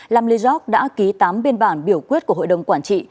lam lê giọc đã ký tám biên bản biểu quyết của hội đồng quản trị